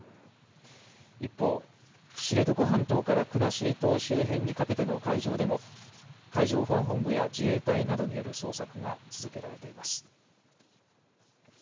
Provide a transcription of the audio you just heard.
一方、知床半島から国後島周辺にかけての海上でも海上保安本部や自衛隊などによる捜索が続けられています。